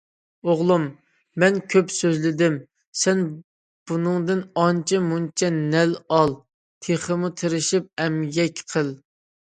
ئوغلۇم، مەن كۆپ سۆزلىدىم، سەن بۇنىڭدىن ئانچە- مۇنچە نەپ ئال، تېخىمۇ تىرىشىپ ئەمگەك قىل.